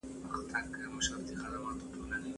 دوی به د هېواد له یوې څنډي څخه بلي ته سفر کاوه.